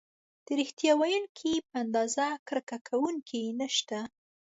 د ریښتیا ویونکي په اندازه کرکه کوونکي نشته.